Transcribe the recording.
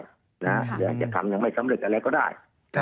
หรืออาจจะทำยังไม่สำเร็จอะไรก็ได้